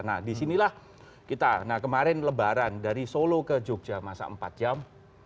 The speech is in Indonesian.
nah disinilah kita nah kemarin lebaran dari solo ke jogja masa empat jam